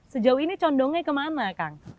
sejauh ini condongnya kemana kang